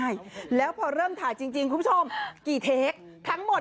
อ่ะอันนี้สามก่อนอันนี้สาม